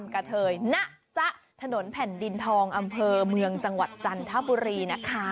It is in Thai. กะเทยนะจ๊ะถนนแผ่นดินทองอำเภอเมืองจังหวัดจันทบุรีนะคะ